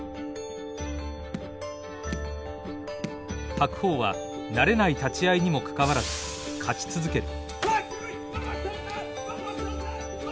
白鵬は慣れない立ち合いにもかかわらず勝ち続ける。